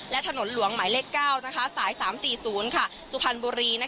และถนนหลวงหมายเลข๙สาย๓๔๐สุพรรณบุรี